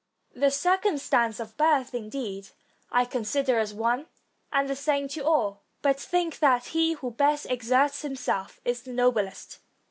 The circumstance of birth, indeed, I consider as one and the same to all; but think that he who best exerts himself is the noblest.